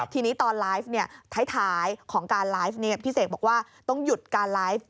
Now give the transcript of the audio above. ทีนี้ตอนไลฟ์ท้ายของการไลฟ์พี่เสกบอกว่าต้องหยุดการไลฟ์